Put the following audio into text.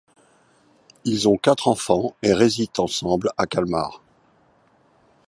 Ils ont quatre enfants et résident ensemble à Kalmar.